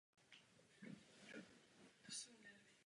Při útěku byl zastřelen jeden vězeň.